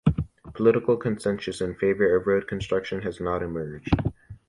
Political consensus in favor of road construction has not emerged.